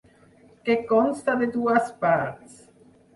Que consta de dues parts.